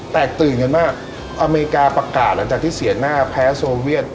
แตกตื่นกันมากอเมริกาประกาศหลังจากที่เสียหน้าแพ้โซเวียต